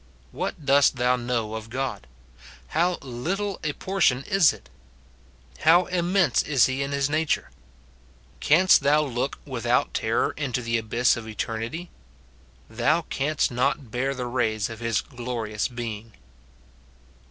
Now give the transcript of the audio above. What dost thou know of God ? How little a portion is it ! How im mense is he in his nature ! Canst thou look without terror into the abyss of eternity ? Thou canst not bear the rays of his glorious being.